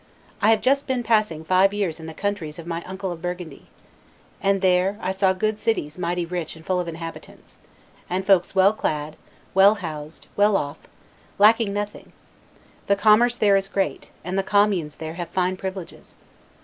I have just been passing five years in the countries of my uncle of Burgundy; and there I saw good cities mighty rich and full of inhabitants, and folks well clad, well housed, well off, lacking nothing; the commerce there is great, and the communes there have fine privileges.